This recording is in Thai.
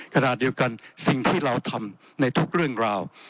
ขณะเดียวกันสิ่งที่เราทำในทุกเรื่องราว